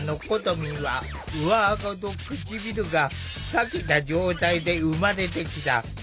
みんは上あごと唇がさけた状態で生まれてきた。